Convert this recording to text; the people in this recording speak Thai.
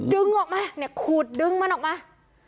ดึงออกมาคูดดึงมันออกมา